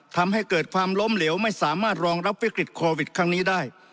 ทำให้เกิดความล้มเหลวไม่สามารถรองรับวิกฤตโควิดครั้งนี้ได้